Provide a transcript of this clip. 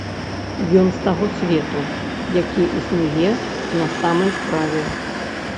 Ён з таго свету, які існуе на самай справе.